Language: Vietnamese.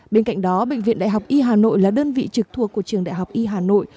bên cạnh đó bệnh viện đại học y hà nội là đơn vị trực thuộc của trường đại học y hà nội